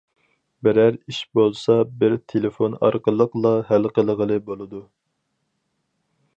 بىرەر ئىش بولسا، بىر تېلېفون ئارقىلىقلا ھەل قىلغىلى بولىدۇ.